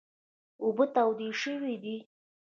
اوبه تودې شوي دي .